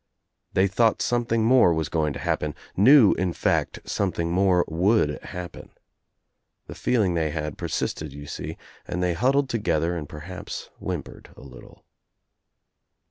They thought something more was going to happen, knew in fact something more would happen. The feeling they had persisted, you see, and they huddled together and per haps whimpered a little.